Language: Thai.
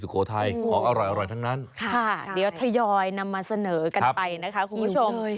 ค่ะเดี๋ยวถยอยนำมาเสนอกันไปนะคะคุณผู้ชม